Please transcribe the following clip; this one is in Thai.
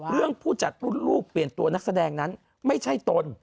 ผู้จัดรุ่นลูกเปลี่ยนตัวนักแสดงนั้นไม่ใช่ตน